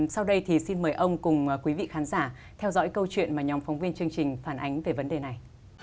sau đây thì xin mời ông cùng quý vị khán giả theo dõi câu chuyện mà nhóm phóng viên chương trình phản ánh về vấn đề này